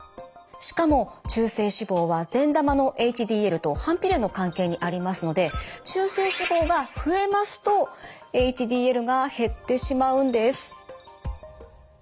しかも中性脂肪は善玉のＨＤＬと反比例の関係にありますので中性脂肪が増えますとＨＤＬが減ってしまうんです。